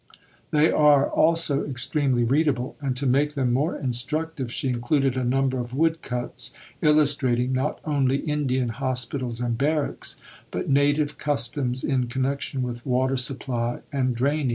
They are also extremely readable; and to make them more instructive, she included a number of woodcuts illustrating, not only Indian hospitals and barracks, but native customs in connection with water supply and drainage.